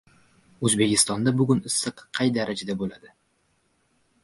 O‘zbekistonda bugun issiq qay darajada bo‘ladi?